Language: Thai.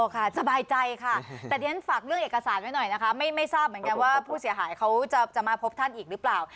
ค่ะสบายใจค่ะแต่ที่ฉันฝากเรื่องเอกสารไว้หน่อยนะคะไม่ทราบเหมือนกันว่าผู้เสียหายเขาจะมาพบท่านอีกหรือเปล่า